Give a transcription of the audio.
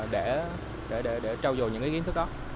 để trao dồi những kiến thức đó